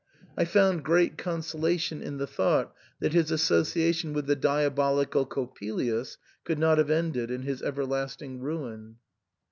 I found great consolation in the thought that his associa tion with the diabolical Coppelius could not have ended in his everlasting ruin.